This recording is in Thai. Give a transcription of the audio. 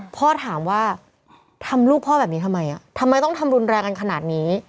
พ่อถามว่าทำลูกพ่อแบบนี้ทำไมทำไมต้องทำรุนแรงกันขนาดนี้